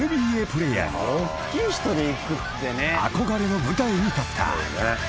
［憧れの舞台に立った］